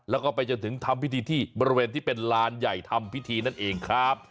แล้วก็ไปจนถึงทำพิธีที่บริเวณที่เป็นลานใหญ่ทำพิธีนั่นเองครับ